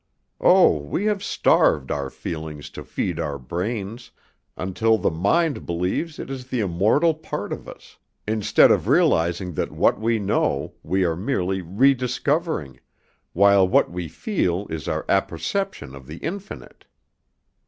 Oh, we have starved our feelings to feed our brains, until the mind believes it is the immortal part of us, instead of realizing that what we know, we are merely re discovering, while what we feel is our apperception of the infinite.